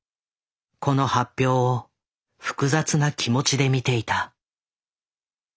この発表を複雑な気持ちで見ていた。